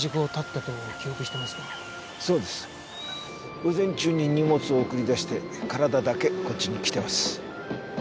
午前中に荷物を送り出して体だけこっちに来てます。